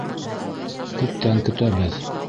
Күптән көтәбеҙ!